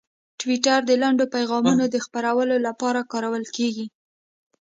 ټویټر د لنډو پیغامونو د خپرولو لپاره کارول کېږي.